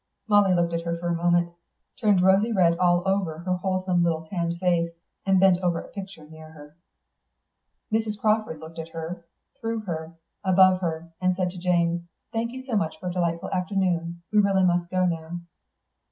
Molly looked at her for a moment, and turned rosy red all over her wholesome little tanned face, and bent over a picture near her. Mrs. Crawford looked at her, through her, above her, and said to Jane, "Thank you so much for a delightful afternoon. We really must go now."